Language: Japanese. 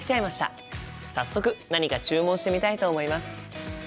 早速何か注文してみたいと思います。